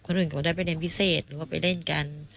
คนอื่นก็ได้ไปเรียนพิเศษหรือว่าไปเล่นกัน